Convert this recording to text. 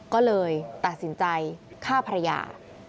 ก็เลยตัดสินใจฆ่าภรรยา